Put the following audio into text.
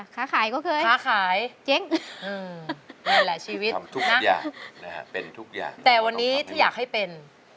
ค้าขายก็เคยเจ๊งอืมนั่นแหละชีวิตนะครับแต่วันนี้ที่อยากให้เป็น